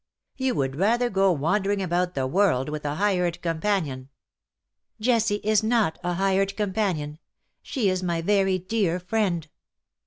You would rather go wander ing about the world with a hired companion "'^ Jessie is not a hired companion — she is my very dear friend.''